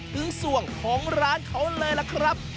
ส่วงของร้านเขาเลยล่ะครับ